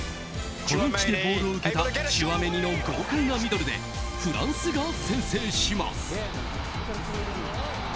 この位置でボールを受けたチュアメニの豪快なミドルでフランスが先制します。